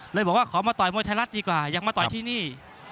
เลยบอกว่าขอมาต่อยมวยไทยรัฐดีกว่ายังมาต่อยที่นี่